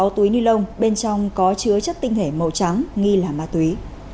ba mươi sáu túi ni lông bên trong có chứa chất tinh thể màu trắng nghi là ma túy